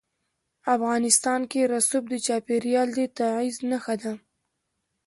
افغانستان کې رسوب د چاپېریال د تغیر نښه ده.